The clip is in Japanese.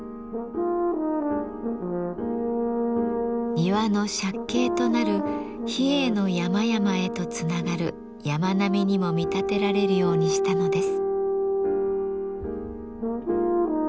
庭の借景となる比叡の山々へとつながる山並みにも見立てられるようにしたのです。